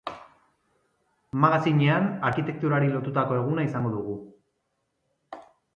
Magazinean, arkitekturari lotutako eguna izango dugu.